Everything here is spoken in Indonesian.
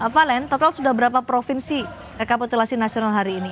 valen total sudah berapa provinsi rekapitulasi nasional hari ini